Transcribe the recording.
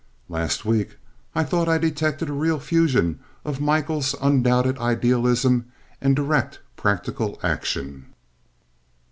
Last week I thought I detected a real fusion of Michael's undoubted idealism and direct practical action.